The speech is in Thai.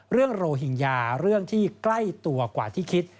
โรหิงญาเรื่องที่ใกล้ตัวกว่าที่คิด